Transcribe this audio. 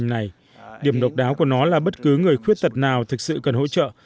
này điểm độc đáo của nó là bất cứ người khuyết tật nào thực sự cần hỗ trợ